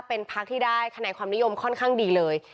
เป็นพักที่ได้คะแนนความนิยมค่อนข้างดีเลย